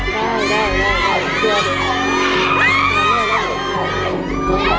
คุณสวทพุม